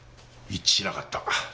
一致しなかった。